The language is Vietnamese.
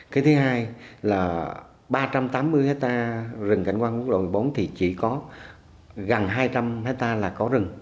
cái thứ hai là ba trăm tám mươi hectare rừng cảnh quan quốc lộ một mươi bốn thì chỉ có gần hai trăm linh hectare là có rừng